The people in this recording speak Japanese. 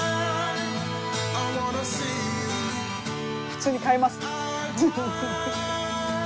普通に買いますね。